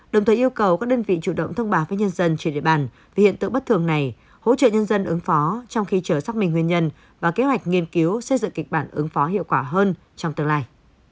đồng thời yêu cầu các đơn vị chủ động thông báo với nhân dân trên địa bàn về hiện tượng bất thường này hỗ trợ nhân dân ứng phó trong khi chờ xác minh nguyên nhân và kế hoạch nghiên cứu xây dựng kịch bản ứng phó hiệu quả hơn trong tương lai